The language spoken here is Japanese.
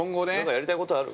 ◆やりたいことある？